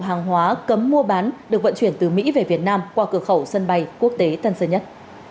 hàng hóa cấm mua bán được vận chuyển từ mỹ về việt nam qua cửa khẩu sân bay quốc tế tân sơn nhất